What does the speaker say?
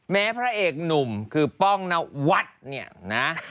พระเอกหนุ่มคือป้องนวัฒน์เนี่ยนะ